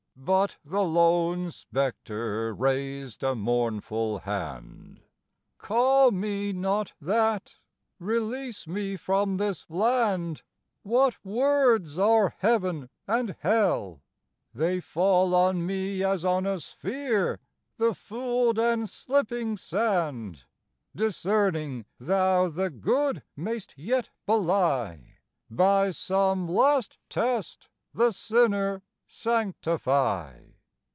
But the lone spectre raised a mournful hand: 'Call me not that! Release me from this land! What words are Heaven and Hell? They fall on me As on a sphere the fooled and slipping sand. 'Discerning, thou the good mayst yet belie, By some last test, the sinner sanctify.